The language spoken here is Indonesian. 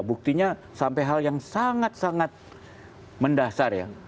buktinya sampai hal yang sangat sangat mendasar ya